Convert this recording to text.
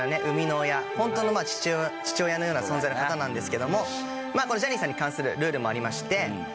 生みの親ホントの父親のような存在の方なんですけどもこのジャニーさんに関するルールもありまして。